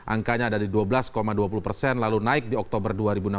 angkanya ada di dua belas dua puluh persen lalu naik di oktober dua ribu enam belas